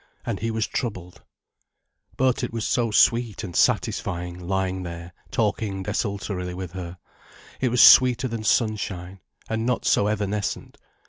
And he was troubled. But it was so sweet and satisfying lying there talking desultorily with her. It was sweeter than sunshine, and not so evanescent.